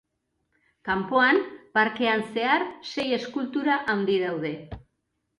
Kanpoan, parkean zehar, sei eskultura handi daude.